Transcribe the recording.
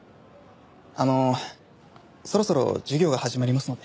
あのそろそろ授業が始まりますので。